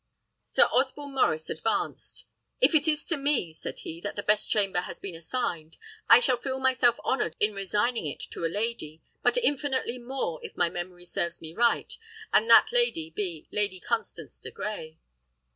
Sir Osborne Maurice advanced. "If it is to me," said he, "that the best chamber has been assigned, I shall feel myself honoured in resigning it to a lady, but infinitely more, if my memory serves me right, and that lady be Lady Constance de Grey."